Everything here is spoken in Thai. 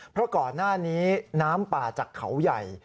เพราะก่อนหน้านี้น้ำป่าจากเขาใหญ่